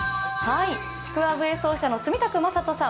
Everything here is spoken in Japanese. ちくわ笛奏者の住宅正人さん。